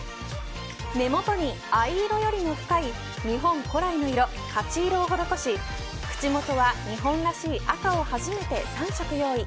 目元に、藍色よりも深い日本古来の色、勝色を施し口元は日本らしい赤を初め３色用意。